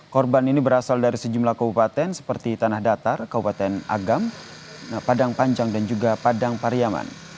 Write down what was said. korban ini berasal dari sejumlah kabupaten seperti tanah datar kabupaten agam padang panjang dan juga padang pariaman